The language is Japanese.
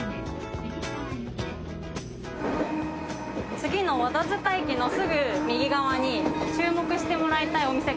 次の和田塚駅のすぐ右側に注目してもらいたいお店があるんですよ。